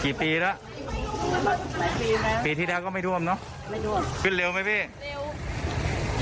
กี่ปีแล้วปีที่แรกก็ไม่ท่วมเนาะไม่ท่วมขึ้นเร็วไหมพี่เร็ว